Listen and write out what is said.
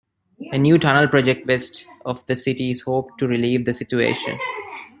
A new tunnel project west of the city is hoped to relieve the situation.